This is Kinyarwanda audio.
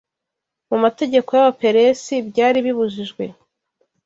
mu mategeko y’Abaperesi byari bibujijwe